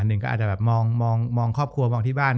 หนึ่งก็อาจจะแบบมองครอบครัวมองที่บ้าน